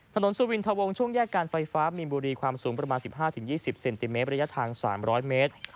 สุวินทะวงช่วงแยกการไฟฟ้ามีนบุรีความสูงประมาณ๑๕๒๐เซนติเมตรระยะทาง๓๐๐เมตร